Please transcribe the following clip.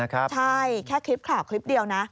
ใช่แค่คลิปข่าวคลิปเดียวนะ